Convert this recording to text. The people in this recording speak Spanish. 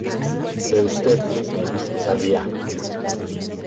De Ud., Sarriá.